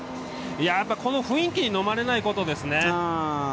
この雰囲気にのまれないことですね。